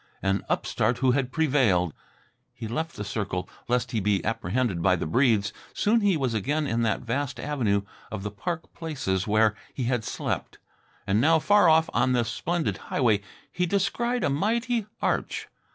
An upstart who had prevailed! He left the circle, lest he be apprehended by the Breedes. Soon he was again in that vast avenue of the park places where he had slept. And now, far off on this splendid highway, he descried a mighty arch.